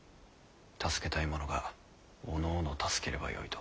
助けたい者がおのおの助ければよいと。